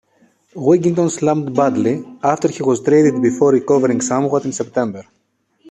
Wigginton slumped badly after he was traded before recovering somewhat in September.